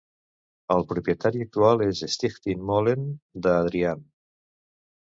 El propietari actual és Stichting Molen De Adriaan.